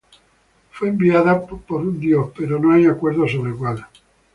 Fue enviada por un dios, pero no hay acuerdo sobre cuál.